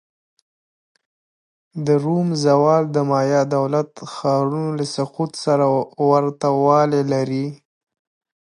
د روم زوال د مایا دولت ښارونو له سقوط سره ورته والی لري.